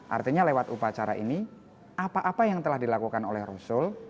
artinya lewat upacara ini apa apa yang telah dilakukan oleh rasul